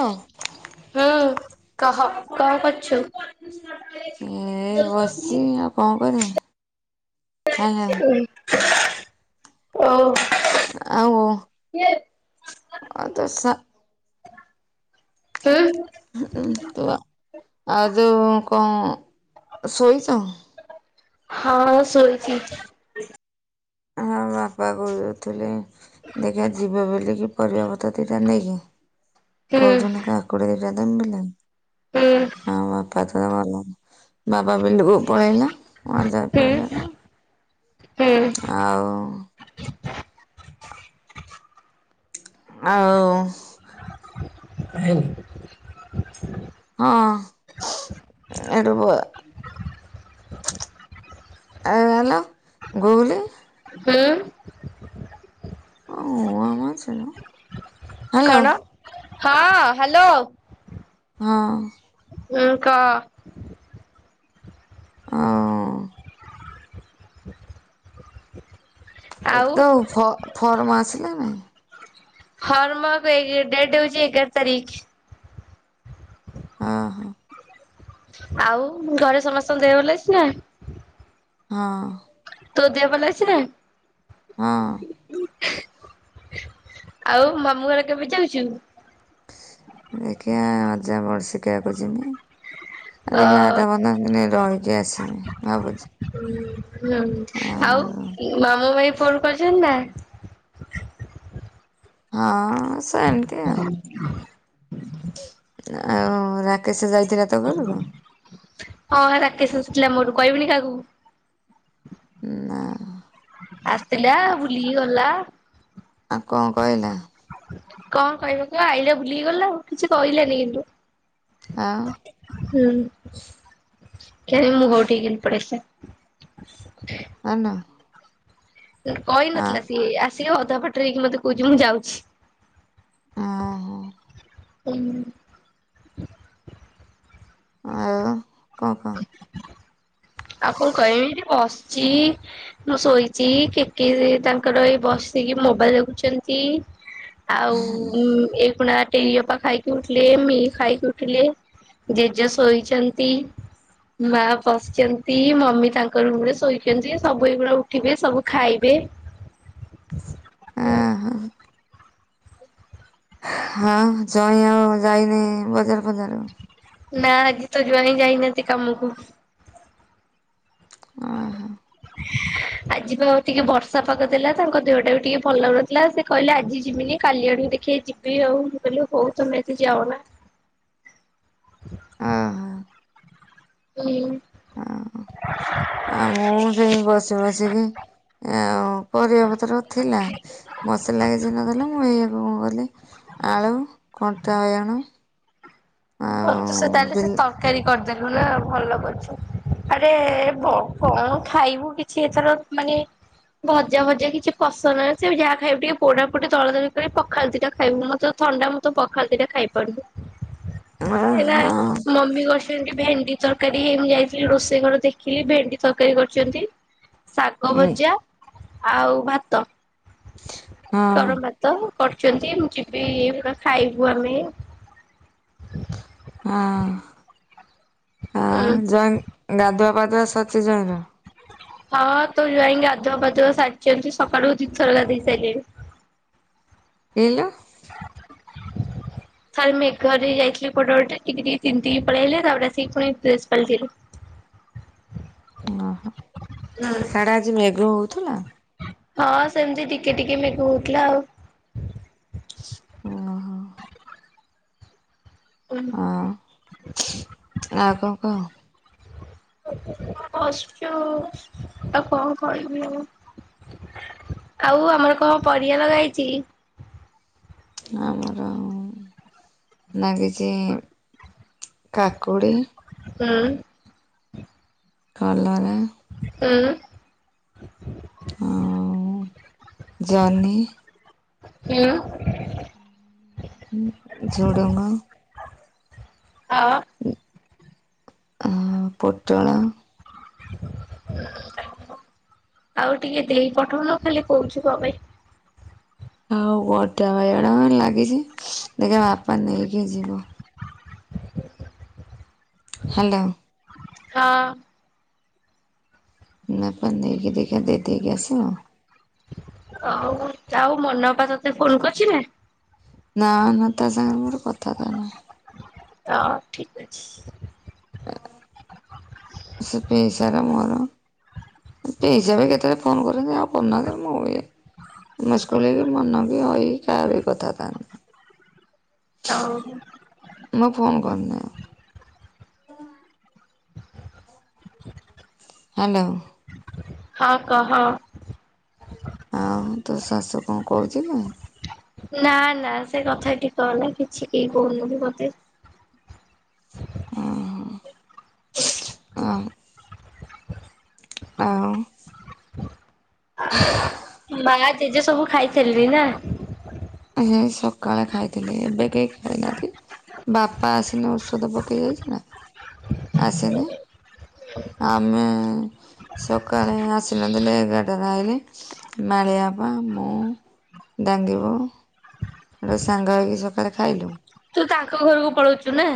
ଅ ହୁଁ କହ କଣ କରୁଛୁ? ଏଇ ବସିଛି ଆଉ କଣ କରିମି? ଓ ଆଉ ଆଉ ତ ସ ହୁଁ ତ ଆଉ ଯୋଉ କଣ ଶୋଇଚ? ହଁ ହଁ ଶୋଇଚି। [unintelligible] ଦେଖିବା ଯିବ ବୋଲିକି ପରିବାପତ୍ର ଦିଇଟା ନେଇକି। ହୁଁ କଉ ଦିନ ଆକୁଡ଼ି [unintelligible] ହୁଁ। ହଁ ବାପା ତୋର ଭଲ ବାପା ବିଲକୁ ପଳେଇଲା ମଜା ହୁଁ ପାଇଲା ନା। ହୁଁ ଆଉ ଆଉ [unintelligible] ହଁ ଏଠୁ ବ [unintelligible] ଆଳୁ ନେଲ ଗୁଗୁଲି ହୁଁ। [unintelligible] ହ୍ୟାଲୋ କଣ ହଁ ହ୍ୟାଲୋ। ହଁ। ହୁଁ କହ। ହଁ। ଏ ଆଉ ତୋ ଫ-ଫର୍ମ ଆସିଲାଣି। ଫର୍ମ [unintelligible] ଡେଟ୍ ହୋଉଚି ଏଗାର ତାରିଖ। ହଁ ହଁ। ଆଉ ଘରେ ସମସ୍ତଙ୍କ ଦେହ ଭଲ ଅଛି ନା? ହଁ। ତୋ ଦେହ ଭଲ ଅଛି ନା? ହଁ। ଆଉ ମାମୁଁ ଘରେ କେବେ ଯାଉଚନ୍ତି? ଦେଖିଆ ଅଜା ବର୍ଷିକିଆକୁ ଯିମି। ଅ ଆସିକି [unintelligible] ଆଠ ପନ୍ଦର ଦିନ ରହିକି ଆସିମି ଭାବୁଚି। ହୁଁ ହୁଁ ଆଉ ମାମୁଁ ମାଇଁ ଫୋନ୍ କରିଚନ୍ତି ନା? ହଁ। ସେମିତି ଆଉ [inaudible] ଆଉ ରାକେଶ ଯାଇଥିଲା ତୋ ଘରୁକୁ? ହଁ ରାକେଶ ଆସିଥିଲା ମୋ ଘରକୁ କହିବୁନି କାହାକୁ। ନାଁ। ଆସଥିଲା ବୁଲିକି ଗଲା। ଆଉ କଣ କହିଲା? କଣ କହିବ ସିଏ [unintelligible] ଆଇଲା ବୁଲିିକି ଗଲା ଆଉ କିଛି କହିଲାନି କିନ୍ତୁ। ହଁ। ହୁଁ ଏଇଠି ମୁଁ [unintelligible] ପଳେଇ ଆସେ। ପାନ [unintelligible] ସିଏ କହିନଥିଲା ସିଏ ଆସିକି ଅଧା ବାଟରେ ହେଇକି ମତେ କୋହୁଚି ମୁଁ ଯାଉଚି। ଓହୋ ହୁଁ। ଆଉ କହ କହ। [inaudible] ଆଉ କଣ କହିମି ଏଠି ବସିଚି। ମୁଁ ଶୋଇଚି କେଟି ଦିଦି ତାଙ୍କର ଏଇ ବସିକି ମୋବାଇଲ ଦେଖୁଚନ୍ତି। ଆଉ ଉଁ ଏଇ ଖୁଣା ଟେରି ଅପା ଖାଇକି ଉଠିଲେ। ମି ଖାଇକି ଉଠିଲେ, ଜେଜେ ଶୋଇଚନ୍ତି। ମା ବସିଚ ନ୍ତି ମମି ତାଙ୍କର ରୁମରେ ଶୋଇଚନ୍ତି। ସବୁ ଏଗୁଡା ଉଠିବେ ସବୁ ଖାଇବେ। ହୁଁ। ଓହୋ ହଁ ଜଇଁ ଆଉ ଯାଇନି ବଜାର ଫଜାର ନାଁ ଆଜି ତୋ ଜ୍ୱଇଁ ଯାଇନାହାନ୍ତି କାମକୁ। ଅ ହଁ। ଆଜିପା ଅ ଟିକେ ବର୍ଷା ପାଗ ଦେଲା ତାଙ୍କ ଦେହଟା ବି ଟିକେ ଭଲ ଲାଗୁ ନଥିଲା ସେ କହିଲେ ଆଜି ଯିବିନି କାଲି ଆଡକୁ ଦେଖିଆ ଯି ବି ଆଉ ମୁଁ କହିଲି ହୋଉ ତମେ ଆଜି ଯାଅନା। ଓହୋ ହୁଁ। ହଁ ଆଉ ମୁଁ ସେଇ ବସି ବସିକି ଆଉ ପରିବାପତ୍ର ଥିଲା ମସଲା କିଛି ନଦେଲା, ମୁଁ ଏଇଆକୁ କଣ କଲି ଆଳୁ, କଣ୍ଟା ବଇଗଣ ହ ତୁ ସେ ତାହେଲେ ସେ ତରକାରୀ କରିଦେଲୁ ନା ଭଲ କରୁଛୁ। ଆରେ ବ କଣ ଖାଇବୁ କିଛି ଏଥର ମାନେ ଭଜା ଭଜା କିଛି ପସନ୍ଦ [unintelligible] ସେ ବି ଯାହା ଖାଇବୁ ଟିକେ ପୋଡା ପୋଡି ଦଲା ଦଳି କରି ପଖାଳ ଦିଟା ଖାଇବୁ, ମତେ ତ ଥଣ୍ଡା ମୁ ତ ପଖାଳ ଦିଟା ଖାଇପାଡ଼ବୁ ହଁ ଏଇନା ହଁ ମମି ବସ୍ ଭେଣ୍ଡି ଭେଣ୍ଡି ତରକାରୀ ହେଇମି ଯାଇଥିଲି ରୋଷେଇ ଘର ଦେଖିଲି ଭେଣ୍ଡି ତରକାରୀ କରିଛନ୍ତି। ଶାଗ ଭଜା, ଆଉ ଭାତ, ଗରମ ଭା ତ କରଛନ୍ତି, ମୁ ଯିବି ଖାଇବୁ ଆମେ। ହୁଁ ହଁ, [unintelligible] ଉଁ ଗାଧୁଆ ପାଧୁଆ ସରିଚି ଜ୍ୱାଇଁ ର? ହଁ ତୋ ଜ୍ୱାଇଁ ଗଧୁଆ ପାଧୁଆ ସାରିଛନ୍ତି, ସକାଳୁ ଦୀ ଥର ଗାଧେଇ ସାଇଲେଣି। ଏଇଲୋ ଖାଲି ମେଘରେ ଯାଇଥିଲେ କୁଆଡେ ଗୋଟେ, ଟିକେ ଟିକେ ତିନ୍ତିକି ପଳେଇ ଅଇଲେ, ତାପରେ ଆସିକି ଫୁଣି ଡ୍ରେସ ପାଲଟିଲୁ। ଓହୋ, ହୁଁ ସାଡେ ଆଜି ମେଘ ହଉଥୁଲା? ହଁ ସେମିତି ଟିକେ ଟିକେ ମେଘ ହଉଥିଲା ଆଉ। ଓ ହୋ। ହଁ, ଆଉ କଣ କହ? ବସିଛୁ ଆଉ କଣ କହିବି ଆଉ? ଆଉ ଆମର କଣ ପରିବା ଲଗା ହେଇଛି? ଆମର ଆଉ ନାଗିଛି କାକୁଡ଼ି ହୁଁ। କଲରା ହୁଁ। ଆଉ ଜହ୍ନି ହୁଁ। ହୁ ଝୋଡ଼ଙ୍ଗ ହଁ। ଆଉ ପୋଟଳ ଆଉ ଟିକେ ଦେଇ ପଠଉନ ଖାଲି କହୁଛୁ କ ପାଇଁ? ଆଉ ଗୋଟା ବାଇଗଣ ଆମର ଲାଗିଛି ଦେଖିବା ବାପା ନେଇକି ଯିବ। ହ୍ୟାଲୋ। ହଁ। ନାପ ନେଇକି ଦେଖା ଦେଇ ଦେଇକି ଆସିବ? ହଉ ଆଉ ମନ ଅପା ତତେ ଫୋନ କରିୁଛି ନା? ନା ନା, ତା ସାଙ୍ଗରେ ମୋର [unintelligible] ନାହିଁ। [unintelligible] ଠିକ ଅଛି। ସେ ପେ ସାର ମୋର ପିଇସାବି କେତେବେଳେ ଫୋନ କରନି ଆଉ କରୁନାହାନ୍ତି, ମୁଁ ବି [unintelligible] [unintelligible] ମୋ ଫୋନ [unintelligible] ହ୍ୟାଲୋ। ହଁ କହ? ଆଉ ତୋ ଶାଶୁ କଣ କହୁଥିଲେ? ନା ନା ସେ କଥା ଠିକ କ ନା କିଛି କେହି କହୁନୁ ମତେ। ଓହୋ ହ। ଆଉ ମା ତେଜେ ସବୁ ଖାଇଥିଲି ନା ଆ ସକାଳେ ଖାଇଥିଲେି ଏବେ କେହି ଖାଇନାହାନ୍ତି। ବାପା ଆସିନେ ଔଷଧ ପକେଇ ଯାଇଛି ନା ଆସିନେ। ଆମେ ସକାଳେ ଆସିନଥିଲେ ଏଗାରଟାରେ ରହିଲି ମାଳିଆପ ମୁଁ। ଡାଙ୍ଗିବୁ ଗୋଟେ ସାଙ୍ଗ ହେଇକି ସକାଳେ ଖାଇଲୁ। ତୁ ତାଙ୍କ ଘରକୁ ପଳଉଛୁ ନା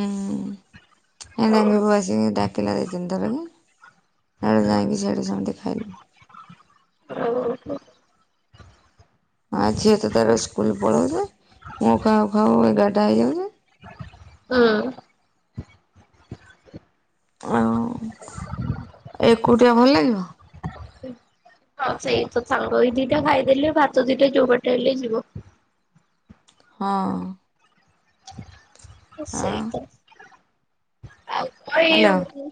ହୁଁ ଏଡାଙ୍ଗିବ ଆସି ଡାକିଲା ଦେଇ ଧଥର କି। ଆେ ଯାଇି ସେଟୁ ସୁ ଦେ ଖାଇଲୁ ଆଉ। ହଁ ଝିଅ ତ ତାର ସ୍କୁଲ ପଢାଉଛ ମୁଁଖାଖାଉ ଏଗାରଟା ହେଇଯାଉଛି। ହୁଁ ଆଉ ଏକୁଉଟିଆ ଭଲ ଲାଗିବ। ହଁ ସେଇ ତ ସାଙ୍ଗ ଏଇ ଦିଟା ଖାଇଦେଲେ ଭାତ ଦିଟା ଯୋଉ ବାଟ ହେଲେ ଯିବ। ହଁ ଆଉ ସେଇଉ ହ୍ୟାଲୋ ହୁଁ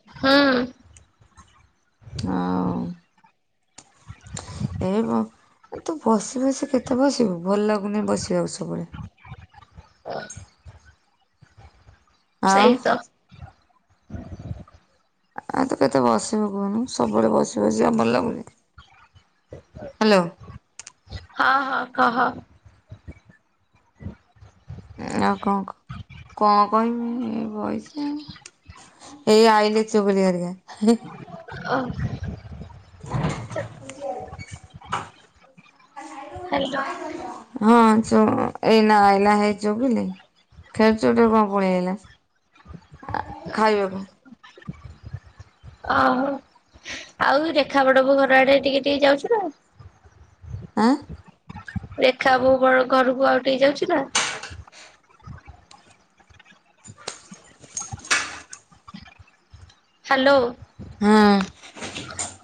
ହଁ ଏ ତୁ ବସି ବସି କେତେ ବସିବୁ ଭଲ ଲାଗୁନି ବସିବା ଆଉ ସବୁବେଳେ। ହ ଆଉ ସେଇତ ଆଉ ତୁ କେତେ ବସିବୁ କୁହନୁ ସବୁବେଳେ ବସିବ ବସିବାଉ ଭଲ ଲାଗୁଛି। ହଁ ହଁ କହ? ଆଉ କଣ କ କଣ କହିବି ଏ ବଇସ ଆଉ। ଏଇ ଆଇିଲ ଚୁଗଳିଆରିକା। ଓ ହ୍ୟାଲୋ ହଁ ଏନା ଆଲା ହେ ଯବି ଲାଇ। ଖେଚଟରେ କଣ ପଳେଇଲା ଖାଇବାକୁ। ଓହୋ ଆଉ ରେଖା ବଡବ ଘର ଆଡେ ଟିକେ ଟିକେ ଯାଉଛୁ ନା? ଆଁ ଦେଖା ବୋ ବ ଘରକୁ ଆଉ ଟ ହେଇ ଯାଉଛି ନା ହ୍ୟାଲୋ। ହୁଁ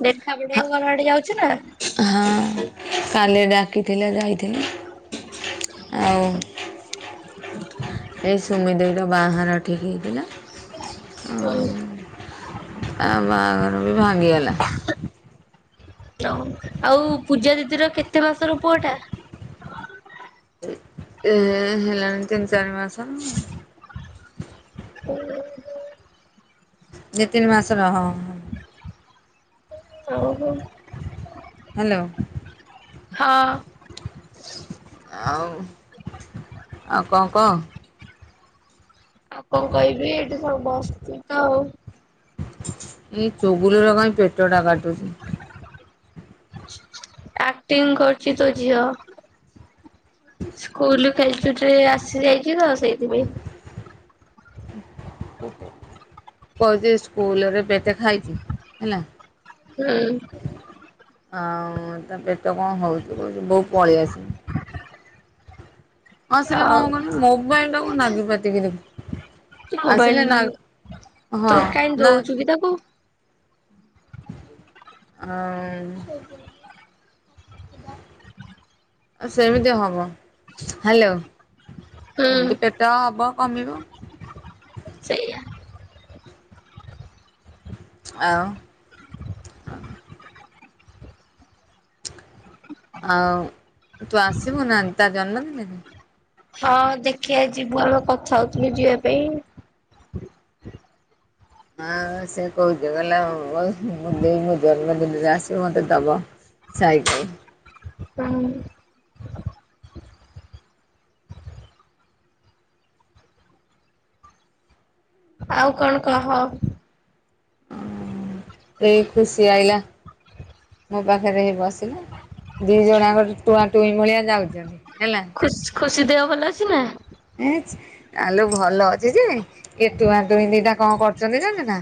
ଦେଖା ପି ତମ ଘର ଆଡେ ଯାଉଛି ନା? ହଁ କାଲି ଡାକିଥିଲେ ଯାଇଥିଲି ଆଉ। ସୁମି ଦେଇ ର ବାହାଘର ଠିକ୍ ହେଇଥିଲା ଆଉ। ଆ ବାହାଘର ବି ଭାଙ୍ଗିଗଲା। ଆଉ ପୂଜା ଦିଦିର କେତେ ମାସ ର ପୁଅ ଟା? ଏ ହେଲାଣି ତିନି ଚାରି ମାସ। ହମ୍। ଦି ତିନି ମାସ ର ହଁ। ଓ ହୋ। ହ୍ୟାଲୋ। ହଁ। ଆଉ ଆଉ କଣ କହ? ଆଉ କଣ କହିବି ଏଇଠି ସବୁ ବସିଚୁ ତ ଆଉ। ଏଇ ଚୁଗୁଲି ର କାଇଁ ପେଟ ଟା କାଟୁଚି। ଆକ୍ଟିଂ କରୁଚି ତୋ ଝିଅ। ସ୍କୁଲ୍ ଖେଳଛୁଟିରେ ଆସି ଯାଇଛି ତ ସେଇଥିପାଇଁ। କହୁଛି ସ୍କୁଲରେ ପେଟେ ଖାଇଛି ହେଲା। ହୁଁ। ହଁ ତା ପେଟ କଣ ହଉଚି କହୁଚି ବୋଉ ପଳେଇଆସିବି। ଆସିଲେ କଣ ଆଉ କହନି ମୋବାଇଲ୍ ଟାକୁ ନାଗି ପାତିକି ଦେଖ୍ ଆସିଲେ ନା ମୋବାଇଲ ହଁ ନା। [unintelligible] କୁ ହଁ। ସେମିତି ହବ ହ୍ୟାଲୋ। ହୁଁ ଏମିତି ପେଟ ହବ କମିବ। ସେଇଆ। ଆଉ ଆଉ ତୁ ଆସିବୁ ନା ତା ଜନ୍ମଦିନରେ? ହଁ ଦେଖିବା ଯିବୁ ଆମେ କଥା ହଉଥିଲୁ ଯିବା ପାଇଁ। ହଁ ସେ କହୁଛି କହିଲା ବୋଉ ଦେଇ ମୋ ଜନ୍ମଦିନରେ ଆସିବ ମତେ ଦବ। ସାଇକେଲ୍। ହୁଁ। ଆଉ କଣ କହ? ଏଇ ଖୁସି ଆଇଲା ମୋ ପାଖରେ ବସିଲା। ଦି ଜଣ ଯାକ ଟୁଆଁ ଟୁଇଁ ଭଳିଆ ଯାଉଛନ୍ତି ହେଲା। ଖୁସି ଦେହ ଭଲ ଅଛି ନା? ଏଚ୍ ଆଲୋ ଭଲ ଅଛି ଯେ ଏ ଟୁଆଁ ଟୁଇଁ ଦିଟା କଣ କରୁଛନ୍ତି ଜାଣିଚୁ ନାଁ।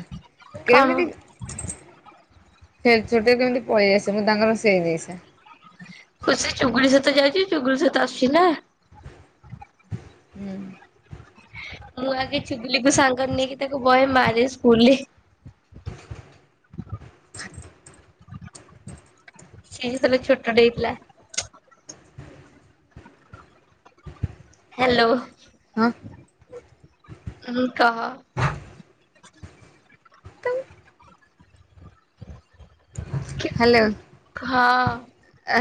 କଣ? କେମିତି ଖେଳିଛୁଟି ରେ କେମିତି ପଳେଇ ଆସିବୁ ତାଙ୍କର ସେଇ ନିଶା। ଖୁସି ଚୁଗୁଳି ସହିତ ଯାଉଚି ଚୁଗୁଳି ସହିତ ଆସୁଛି ନାଁ। ହୁଁ। ମୁଁ ଆଗେ ଚୁଗୁଲି କୁ ସାଙ୍ଗରେ ନେଇକି ତାକୁ ବହେ ମାରେ ସ୍କୁଲରେ। ସିଏ ଯେତେବେଳେ ଛୋଟ ଟେ ହେଇଥିଲା। ହ୍ୟାଲୋ। ହଁ। ହୁଁ କହ। ତ ହ୍ୟାଲୋ। କହ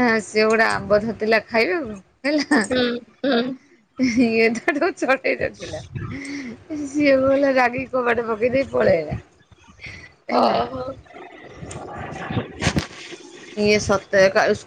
ଆ ସିଏ ଗୋଟେ ଆମ୍ବ ଧରିଥିଲା ଖାଇବାକୁ ହୁଁ ହୁଁ ହେଲା। ଇଏ ତାକୁ ଛଡେଇ ରଖିଲା। ସିଏ ଭଲା ରାଗି କବାଟ ପକେଇ ଦେଇ ପଳେଇଲା। ଓଁ ହେଲା। ହୋ। ଇଏ ସତରେ କାଳେ ସ୍କୁ